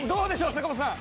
坂本さん。